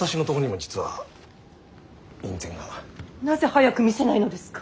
なぜ早く見せないのですか。